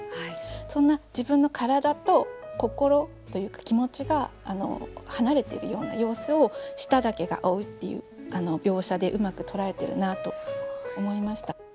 そんな自分の体と心というか気持ちが離れてるような様子を「舌だけが追う」っていう描写でうまく捉えてるなと思いました。